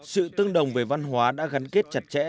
sự tương đồng về văn hóa đã gắn kết chặt chẽ